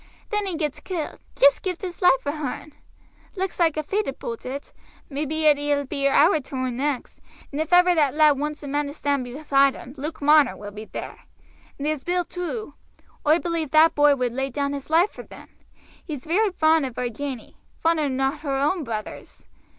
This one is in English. Then he gets killed. Just gived his life for hearn. Looks like a fate aboot it; may be it eel be our toorn next, and if ever that lad waants a man to stand beside him Luke Marner will be there. And there's Bill too oi believe that boy would lay down his life for him. He's very fond of our Janey fonder nor her own brothers.